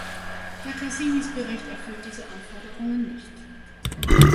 Herr Casinis Bericht erfüllt diese Anforderungen nicht.